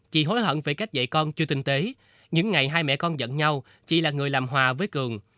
chị hối hận về cách dạy con chưa tinh tế những ngày hai mẹ con dẫn nhau chị là người làm hòa với cường